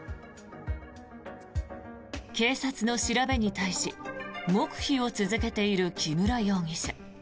警察の調べに対し黙秘を続けている木村容疑者。